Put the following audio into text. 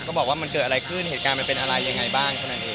บอกว่ามันเกิดอะไรขึ้นเหตุการณ์มันเป็นอะไรยังไงบ้างเท่านั้นเอง